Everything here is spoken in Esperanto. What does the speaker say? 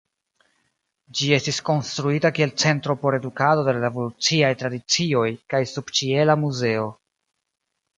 Ĝi estis konstruita kiel centro por edukado de la revoluciaj tradicioj kaj subĉiela muzeo.